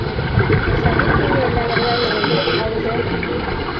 Хәмит миңә әйләнергә йөрөй, ә үҙе!..